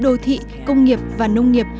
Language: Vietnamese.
đô thị công nghiệp và nông nghiệp